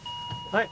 はい。